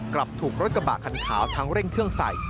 กลับถูกรถกระบะคันขาวทั้งเร่งเครื่องใส่